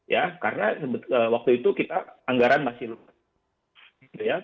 ya karena waktu itu kita anggaran masih lumayan